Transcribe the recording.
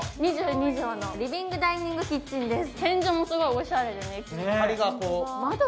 ２２畳のリビングダイニングです。